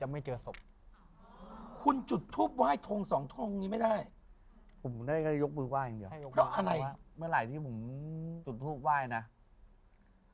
เมื่อไหร่ที่ผมจุดพูดไหว้เนี่ย